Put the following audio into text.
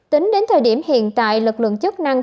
tính đến thời điểm hiện tại lực lượng chức năng